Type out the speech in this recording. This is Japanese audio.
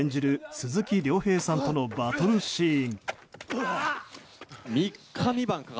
鈴木亮平さんとのバトルシーン。